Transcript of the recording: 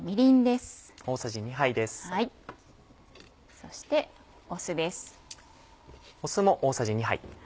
そして酢です。